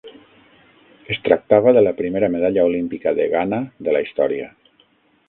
Es tractava de la primera medalla olímpica de Ghana de la història.